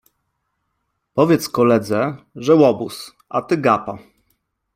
Powiedz koledze, że łobuz, a ty gapa.